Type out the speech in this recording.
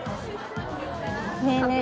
ねえねえ